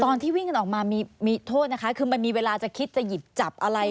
ตอนที่วิ่งกันออกมามีโทษนะคะคือมันมีเวลาจะคิดจะหยิบจับอะไร